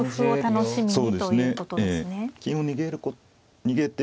はい。